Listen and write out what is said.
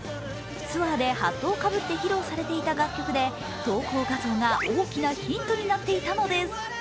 ツアーでハットをかぶって披露されていた楽曲で投稿画像が大きなヒントになっていたのです。